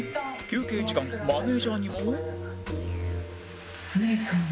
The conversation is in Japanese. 休憩時間マネージャーにも